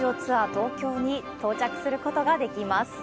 東京に到着することができます。